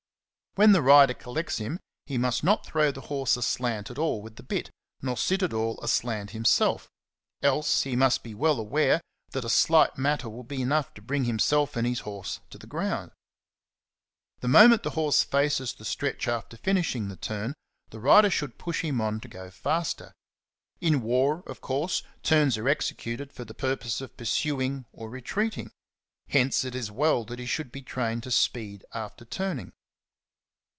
When the rider collects him, he must not throw the horse aslant at all with the bit, nor sit at all aslant himself; else he must be well aware, that a slight matter will be enough to bring himself and his horse to the ground. The moment the horse faces the stretch after finishing the turn, the rider should push him on to go faster. In war, of course, turns are executed for the purpose of pursuing or retreating; hence it is well that he should be trained to speed after turning.